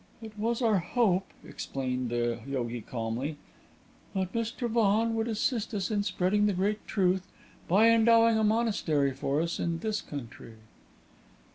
"It was our hope," explained the yogi, calmly, "that Mr. Vaughan would assist us in spreading the Great Truth by endowing a monastery for us in this country."